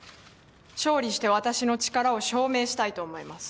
勝利して私の力を証明したいと思います。